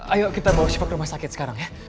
ayo kita bawa syifa ke rumah sakit sekarang ya